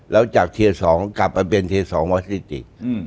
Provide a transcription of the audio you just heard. แล้วจากที๒กลับมาเป็นที๒วอสติธร์อีก